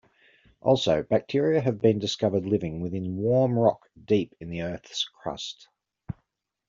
Also, bacteria have been discovered living within warm rock deep in the Earth's crust.